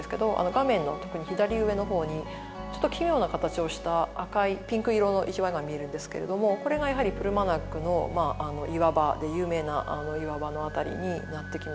画面の特に左上のほうにちょっと奇妙な形をした赤いピンク色の岩が見えるんですけれどもこれがやはりプルマナックの岩場で有名な岩場の辺りになってきます